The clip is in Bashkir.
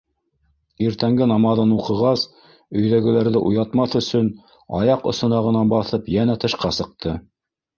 Иртәнге намаҙын уҡығас, өйҙәгеләрҙе уятмаҫ өсөн, аяҡ осона ғына баҫып йәнә тышҡа сыҡты.